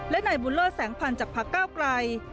และนายบุญเลิศแสงพันธ์จากพักเก้าไกล